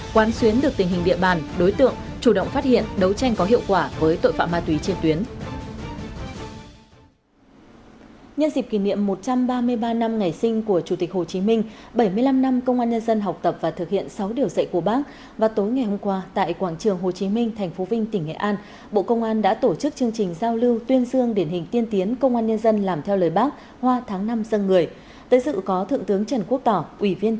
quan xuyến được tình hình địa bàn đối tượng chủ động phát hiện đấu tranh có hiệu quả với tội phạm ma túy trên tuyến